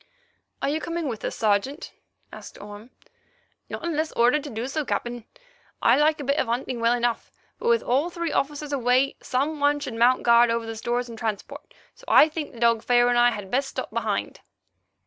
"Are you coming with us, Sergeant?" asked Orme. "Not unless ordered so to do, Captain. I like a bit of hunting well enough, but, with all three officers away, some one should mount guard over the stores and transport, so I think the dog Pharaoh and I had best stop behind."